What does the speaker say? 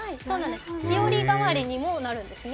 しおり代わりにもなるんですね。